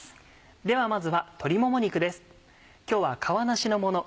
ではまずは鶏もも肉です。